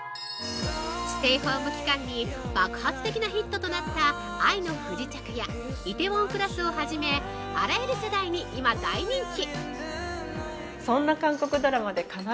ステイホーム期間に爆発的なヒットとなった「愛の不時着」や「梨泰院クラス」をはじめあらゆる世代に今、大人気。